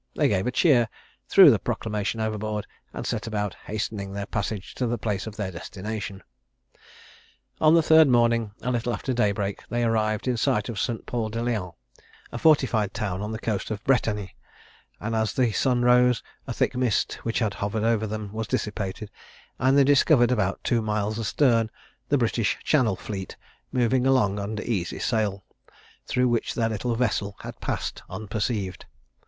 They gave a cheer, threw the proclamation overboard, and set about hastening their passage to the place of their destination. On the third morning, a little after daybreak, they arrived in sight of St. Paul de Leon, a fortified town on the coast of Bretagne; and as the sun rose, a thick mist, which had hovered over them, was dissipated, and they discovered, about two miles astern, the British Channel fleet moving along under easy sail; through which their little vessel had passed unperceived.